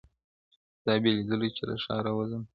ستا بې لیدلو چي له ښاره وځم,